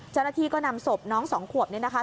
เจ้าหน้าที่ก็นำศพน้องสองขวบเนี่ยนะคะ